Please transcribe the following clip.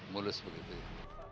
mulus begitu ya